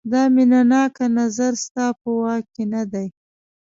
دا مینه ناک نظر ستا په واک کې نه دی.